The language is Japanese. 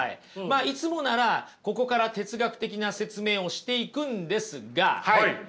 いつもならここから哲学的な説明をしていくんですが今回はね